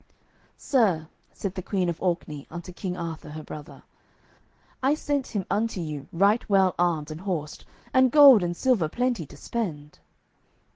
"Sir," said the Queen of Orkney unto King Arthur, her brother, "I sent him unto you right well armed and horsed, and gold and silver plenty to spend."